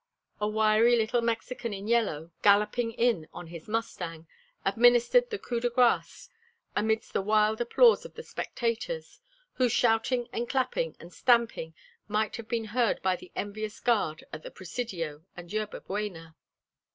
A wiry little Mexican in yellow, galloping in on his mustang, administered the coup de grace amidst the wild applause of the spectators, whose shouting and clapping and stamping might have been heard by the envious guard at the Presidio and Yerba Buena.